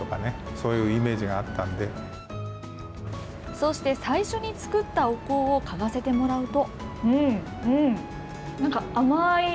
そうして最初に作ったお香を、かがせてもらうと。